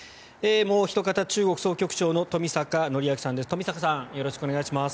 もうおひと方中国総局長の冨坂範明さんです。